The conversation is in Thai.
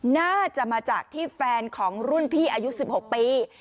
น่าจะมาจากที่แฟนของรุ่นพี่อายุ๑๖ปี